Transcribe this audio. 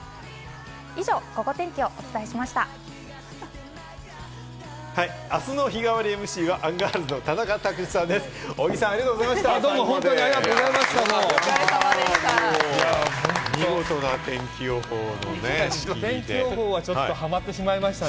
以上、ゴゴ天気をお伝えしました。